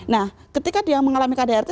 nah ketika dia mengalami kdrt